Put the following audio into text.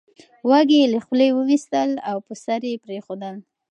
واګی یې له خولې وېستل او په خپل سر یې پرېښودل